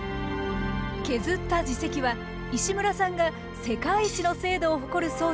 削った耳石は石村さんが世界一の精度を誇る装置で分析。